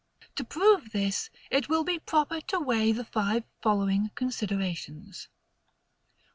To prove this, it will be proper t o weigh the five following considerations.